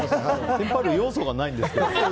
てんぱる要素がないんですけど。